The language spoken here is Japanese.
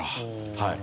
はい。